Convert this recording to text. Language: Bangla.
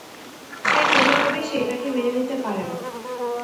তাই কোনভাবেই সে এটাকে মেনে নিতে পারে না।